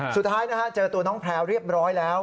สุดท้ายเจอตัวน้องแพลวเรียบร้อยแล้ว